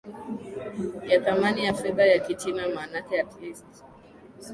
ya thamani ya fedha ya kichina maanake at least